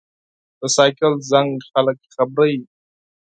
د بایسکل زنګ خلک خبروي.